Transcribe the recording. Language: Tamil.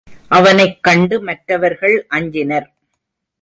அவனைக் கண்டு மற்றவர்கள் அஞ்சினர்.